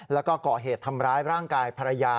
แล้วก็ก่อเหตุทำร้ายร่างกายภรรยา